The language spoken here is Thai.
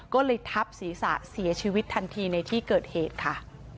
ก็เลยทับศีรษะเสียชีวิตทันทีในที่เกิดเหตุค่ะ